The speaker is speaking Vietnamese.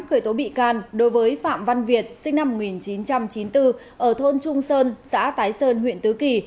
khởi tố bị can đối với phạm văn việt sinh năm một nghìn chín trăm chín mươi bốn ở thôn trung sơn xã tái sơn huyện tứ kỳ